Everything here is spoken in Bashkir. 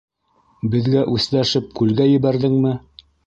Беҙгә үсләшеп, күлгә ебәрҙеңме?